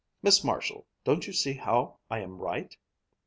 Miss Marshall, don't you see how I am right?